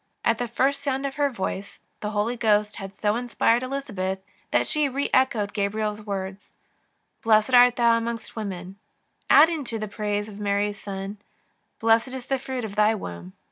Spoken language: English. At the first sound of her voice the Holy Ghost had so inspired Elizabeth that she reechoed Gabriel's » words :" Blessed art thou among women," adding to them the praise of Mary's Son :" Blessed is the fruit of thy womb."